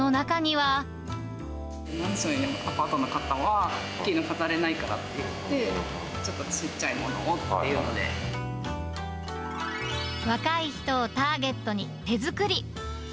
マンションやアパートの方は、大きいの飾れないからっていって、ちょっとちっちゃいものをってい若い人をターゲットに、手作り。